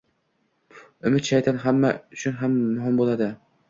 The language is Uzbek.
Umid shayton hamma uchun muhim bo'ladi